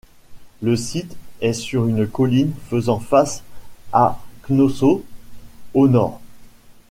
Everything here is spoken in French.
Le site est sur une colline faisant face à Knossos, au nord.